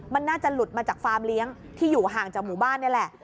มันน่าจะหลุดมาจากฟาร์มเลี้ยงที่อยู่ห่างจากหมู่บ้านนี่แหละ